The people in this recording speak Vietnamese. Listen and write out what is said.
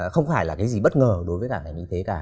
không phải là cái gì bất ngờ đối với đảng này như thế cả